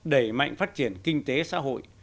đẩy mạnh phát triển kinh tế xã hội